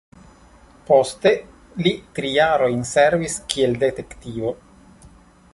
Poste li tri jarojn servis kiel detektivo.